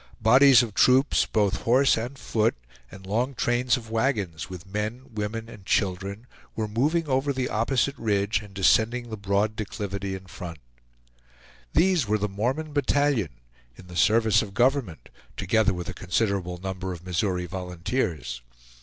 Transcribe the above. Bodies of troops, both horse and foot, and long trains of wagons with men, women, and children, were moving over the opposite ridge and descending the broad declivity in front. These were the Mormon battalion in the service of government, together with a considerable number of Missouri volunteers.